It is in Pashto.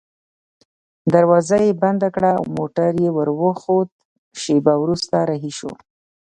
دروازه يې بنده کړل او موټر ته وروخوت، شېبه وروسته رهي شوو.